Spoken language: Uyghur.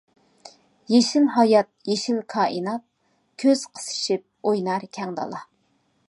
يېشىل ھايات، يېشىل كائىنات، كۆز قىسىشىپ ئوينار كەڭ دالا.